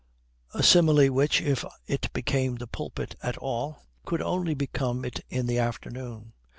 A simile which, if it became the pulpit at all, could only become it in the afternoon.